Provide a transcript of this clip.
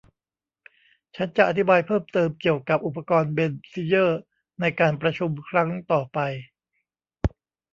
ฉันจะอธิบายเพิ่มเติมเกี่ยวกับอุปกรณ์เบซิเยอร์ในการประชุมครั้งต่อไป